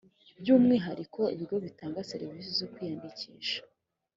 byu umwihariko ibigo bitanga serivisi zo kwiyandikisha